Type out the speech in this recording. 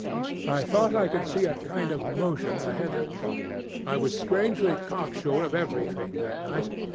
I thought I could see a kind of motion ahead of me. I was strangely cocksure of everything that night.